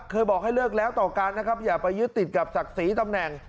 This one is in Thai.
บอกให้เลิกแล้วต่อกันนะครับอย่าไปยึดติดกับศักดิ์ศรีตำแหน่ง